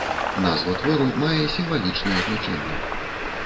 Назва твору мае сімвалічнае значэнне.